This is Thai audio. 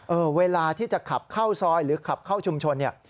เออเวลาที่จะขับเข้าซอยหรือขับเข้าชุมชน